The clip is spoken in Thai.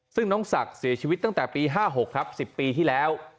ซึ่งน้องศักดิ์เสียชีวิตตั้งแต่ปี๕๖ครับ๑๐ปีที่แล้ว